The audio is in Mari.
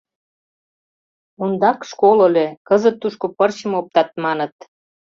Ондак школ ыле, кызыт тушко пырчым оптат, маныт.